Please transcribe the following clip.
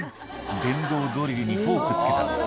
「電動ドリルにフォーク付けたんだ」